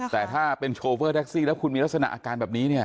แต่ถ้าเป็นโชเฟอร์แท็กซี่แล้วคุณมีลักษณะอาการแบบนี้เนี่ย